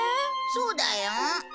そうだよ。